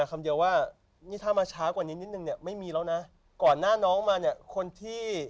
คำเดียวว่านี่ถ้ามาช้ากว่านี้นิดนึงเนี่ยไม่มีแล้วนะก่อนหน้าน้องมาเนี่ยคนที่